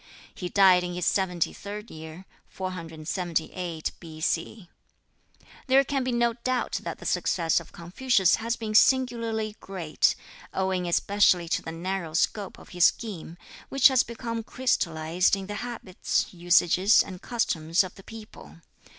He died in his seventy third year, 478 B.C. There can be no doubt that the success of Confucius has been singularly great, owing especially to the narrow scope of his scheme, which has become crystallized in the habits, usages, and customs of the people.